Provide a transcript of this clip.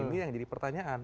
ini yang jadi pertanyaan